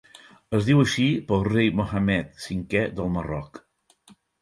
Es diu així pel Rei Mohammed V del Marroc.